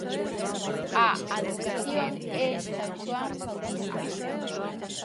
A advocación é San Xoán Bautista.